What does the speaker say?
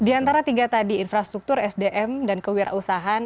di antara tiga tadi infrastruktur sdm dan kewirausahaan